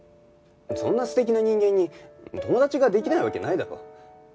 そんな素敵な人間に友達ができないわけないだろ。